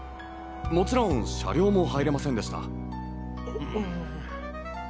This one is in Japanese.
もちろん車両も入れませんでした。